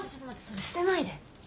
それ捨てないで。